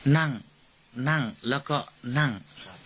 นั่งนั่งแล้วก็นั่ง